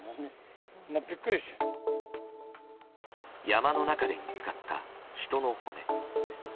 山の中で見つかった人の骨。